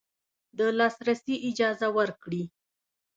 د لاسرسي اجازه ورکړي